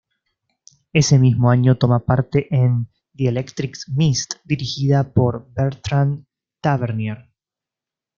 Ese mismo año toma parte en "The Electric Mist", dirigida por Bertrand Tavernier.